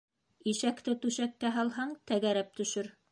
Ишәкте түшәккә һалһаң, тәгәрәп төшөр.